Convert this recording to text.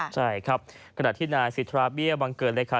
ใช่ครับกระดาษที่นายซิทราเบียบังเกิดเลยค่ะ